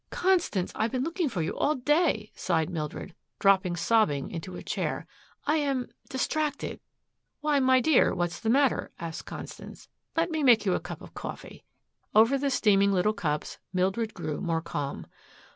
"Constance, I've been looking for you all day," sighed Mildred, dropping sobbing into a chair. "I am distracted." "Why, my dear, what's the matter?" asked Constance. "Let me make you a cup of coffee." Over the steaming little cups Mildred grew more calm.